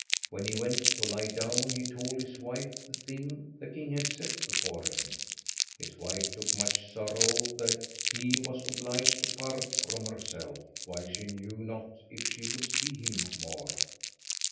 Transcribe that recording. When he went to lie down he told his wife the thing the king had set before him. His wife took much sorrow that he was obliged to part from herself, while she knew not if she should see him more.